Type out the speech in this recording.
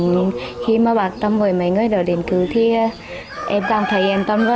thì khi mà bà tâm với mấy người đó đến cứu thì em cảm thấy yên tâm quá